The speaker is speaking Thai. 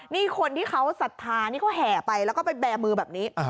นี่คนที่เขาสัฐานนี่เขาแหกไปและไปแบ่มือแบบนี้